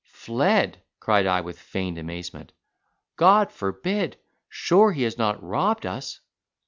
"Fled," cried I, with feigned amazement, "God forbid! Sure he has not robbed us!"